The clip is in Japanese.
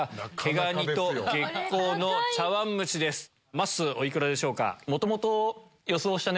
まっすーお幾らでしょうか？